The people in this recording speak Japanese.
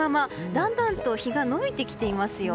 だんだんと日が延びてきていますよ。